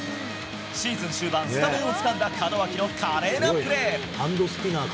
シーズン終盤、スタメンをつかんだ門脇の華麗なプレー。